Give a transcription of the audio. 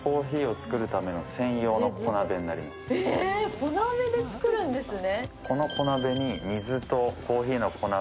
小鍋で作るんですね。